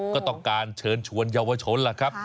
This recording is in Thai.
ก็ต้องการเชิญชวนเยาวชนล่ะครับ